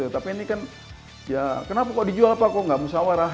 tapi ini kan ya kenapa kok dijual apa kok tidak usah marah